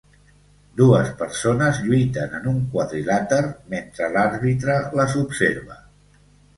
Dues persones lluiten en un quadrilàter mentre l'àrbitre les observa.